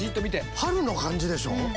春の漢字でしょ。